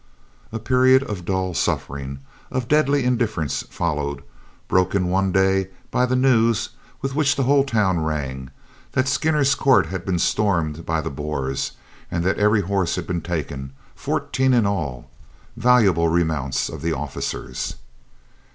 A period of dull suffering, of deadly indifference followed, broken one day by the news, with which the whole town rang, that Skinner's Court had been stormed by the Boers and that every horse had been taken, fourteen in all, valuable remounts of the officers.